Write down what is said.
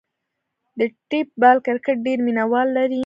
د ټیپ بال کرکټ ډېر مینه وال لري.